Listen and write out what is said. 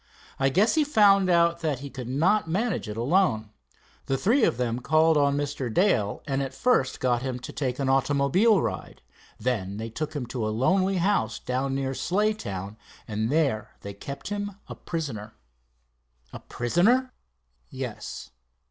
I guess he found out that he could not manage it alone. The three of them called on Mr. Dale and at first got him to take an automobile ride. Then they took him to a lonely house down near Slaytown, and there they kept him a prisoner." "A prisoner!" "Yes."